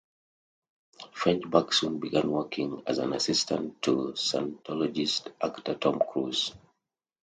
Feshbach soon began working as an assistant to Scientologist actor Tom Cruise.